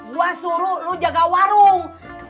gue suruh lu jaga warung